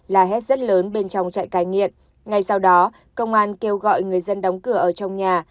la hét rất lớn bên trong trại cai nghiện ngay sau đó công an kêu gọi người dân đóng cửa ở trong nhà